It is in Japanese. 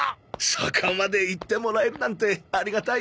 そこまで言ってもらえるなんてありがたいね。